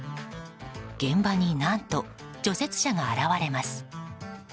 現場に、何と除雪車が現れます。